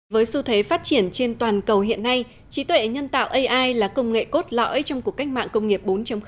với xu thế phát triển trên toàn cầu hiện nay trí tuệ nhân tạo ai là công nghệ cốt lõi trong cuộc cách mạng công nghiệp bốn